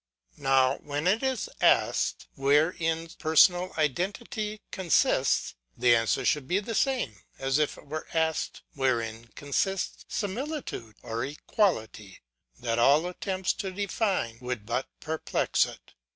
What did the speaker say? Now, when it is asked wherein personal identity con sists, the answer should be the same, as if it were asked wherein consists similitude, or equality ; that all attempts to define would but perplex it.